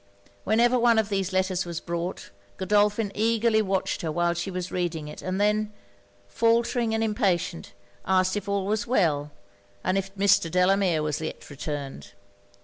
Whenever one of these letters was brought, Godolphin eagerly watched her while she was reading it; and then, faultering and impatient, asked if all were well; and if Mr. Delamere was yet returned?